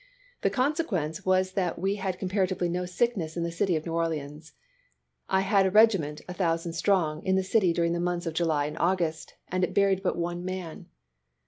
The consequence was that we had comparatively no sickness in the city of New Orleans. I had a regi ment, a thousand strong, in the city during the months of July and August, and it buried but one man."